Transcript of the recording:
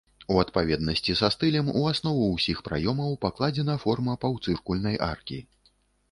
У адпаведнасці са стылем у аснову ўсіх праёмаў пакладзена форма паўцыркульнай аркі.